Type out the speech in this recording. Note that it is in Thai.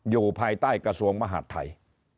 อยู่ภายใต้กระทรวงมหาดไทย